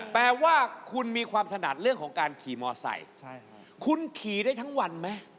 แปลว่าคุณมีความถนัดเรื่องของการขี่มอไซค์คุณขี่ได้ทั้งวันไหม